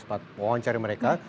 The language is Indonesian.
sempat wawancara mereka